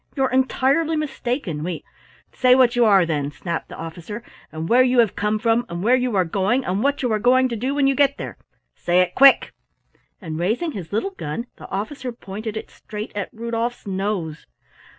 "You're entirely mistaken, we " "Say what you are, then," snapped the officer, "and where you have come from and where you are going and what you are going to do when you get there; say it, quick!" And raising his little gun, the officer pointed it straight at Rudolf's nose.